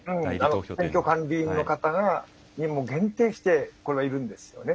選挙管理委員の方に限定してこれはいるんですよね。